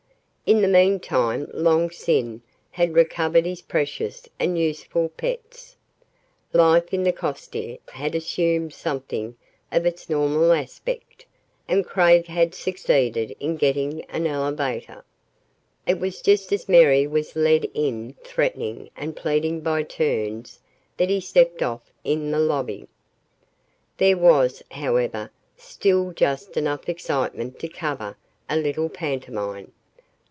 In the meantime Long Sin had recovered his precious and useful pets. Life in the Coste had assumed something of its normal aspect, and Craig had succeeded in getting an elevator. It was just as Mary was led in threatening and pleading by turns that he stepped off in the lobby. There was, however, still just enough excitement to cover a little pantomime.